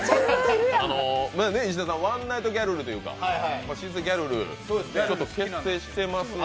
ワンナイトギャルルというか新生ギャルル結成してますので。